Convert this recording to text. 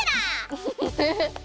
ウフフフフ！